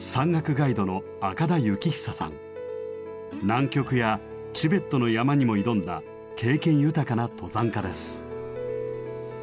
南極やチベットの山にも挑んだ経験豊かな登山家です。